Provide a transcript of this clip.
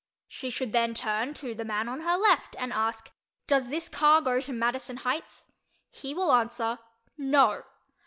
She should then turn to the man on her left and ask "Does this car go to Madison Heights?" He will answer "No."